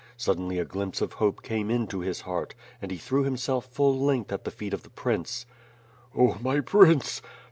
Suddenly a glimpse of hope came into his heart and he threw himself full length at the feet of the prince. "Oh, my Prince!